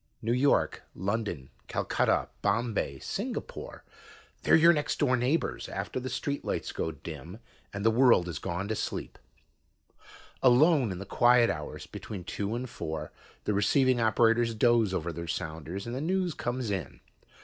New York, London, Calcutta, Bombay, Singapore they're your next door neighbors after the streetlights go dim and the world has gone to sleep. Alone in the quiet hours between two and four, the receiving operators doze over their sounders and the news comes in.